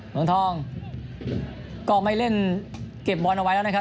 เมืองทองก็ไม่เล่นเก็บบอลเอาไว้แล้วนะครับ